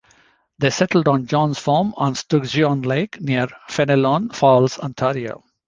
They settled on John's farm on Sturgeon Lake, near Fenelon Falls, Ontario.